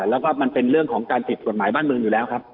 แล้วก็มันเป็นเรื่องของการผิดกฎหมายบ้านเมืองอยู่แล้วครับ